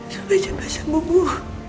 sampai cepat sembuh buk